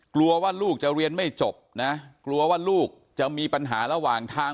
กลัวว่าลูกจะเรียนไม่จบนะกลัวว่าลูกจะมีปัญหาระหว่างทาง